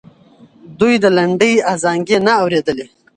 دوی د لنډۍ ازانګې نه اورېدلې.